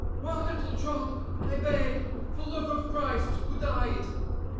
One little drop, I beg! For love of Christ who died.